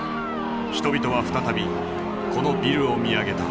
人々は再びこのビルを見上げた。